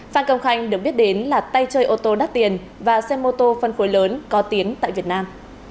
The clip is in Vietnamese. phan công khanh được biết đến là tay chơi ô tô đắt tiền và xe mô tô phân khối lớn có tiến tại việt nam